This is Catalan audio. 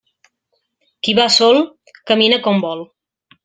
Qui va sol, camina com vol.